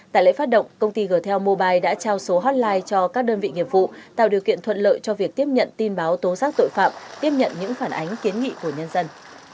tại lễ phát động công ty g tel mobile đã trao số hotline cho các đơn vị nghiệp vụ tạo điều kiện thuận lợi cho việc tiếp nhận tin báo tố giác tội phạm tiếp nhận những phản ánh kiến nghị của nhân dân